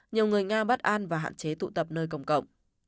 nhiều người nga bất an và hạn chế tụ tập nơi công cộng